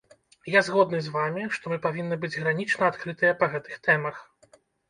Я згодны з вамі, што мы павінны быць гранічна адкрытыя па гэтых тэмах.